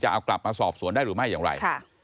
เอากลับมาสอบสวนได้หรือไม่อย่างไร